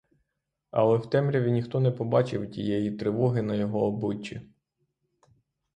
Але в темряві ніхто не побачив тієї тривоги на його обличчі.